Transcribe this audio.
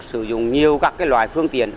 sử dụng nhiều các loại phương tiện